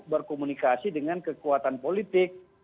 berkomunikasi dengan kekuatan politik